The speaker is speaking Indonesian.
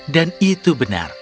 dan itu benar